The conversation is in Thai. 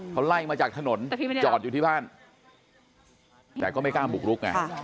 เขาไล่มาจากถนนจอดอยู่ที่บ้านแต่ก็ไม่กล้าบุกลุกไง